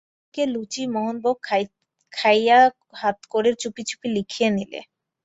বৌদিকে-লুচি-মোহনভোগ খাইয়ে হাত করে চুপি চুপি লিখিয়ে নিলে।